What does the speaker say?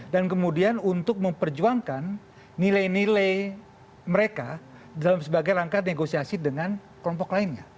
dan kemudian untuk memperjuangkan nilai nilai mereka dalam sebagai rangka negosiasi dengan kelompok lainnya